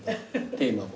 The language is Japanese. テーマも。